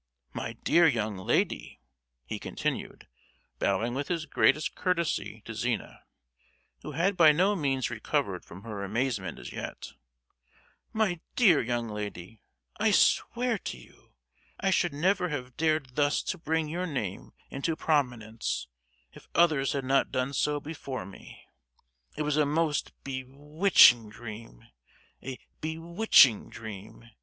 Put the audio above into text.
"My dear young lady," he continued, bowing with his greatest courtesy to Zina, who had by no means recovered from her amazement as yet; "my dear young lady, I swear to you, I should never have dared thus to bring your name into pro—minence, if others had not done so before me! It was a most be—witching dream! a be—witching dream!